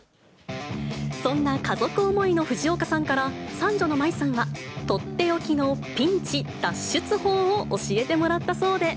そんな家族思いの藤岡さんから、三女の舞衣さんが、とっておきのピンチ脱出法を教えてもらったそうで。